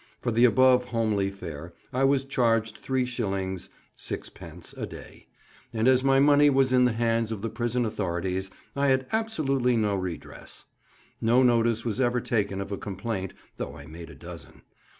For the above homely fare I was charged 3s. 6d. a day, and as my money was in the hands of the prison authorities, I had absolutely no redress. No notice was ever taken of a complaint, though I made a dozen.